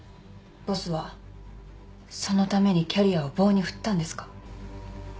ボスはそのためにキャリアを棒に振ったんですか？